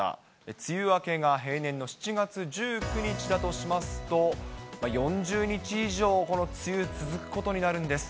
梅雨明けが平年の７月１９日だとしますと、４０日以上、この梅雨、続くことになるんです。